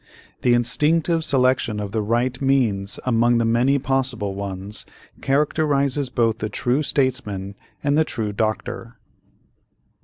The instinctive selection of the right means among the many possible ones characterizes both the true statesman and the true doctor.